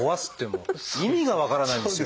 もう意味が分からないんですよ。